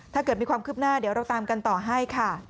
ถ้าเกิดมีความคืบหน้าเดี๋ยวเราตามกันต่อให้ค่ะ